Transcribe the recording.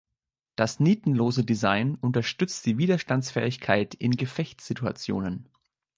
Das nietenlose Design unterstützt die Widerstandsfähigkeit in Gefechtssituationen.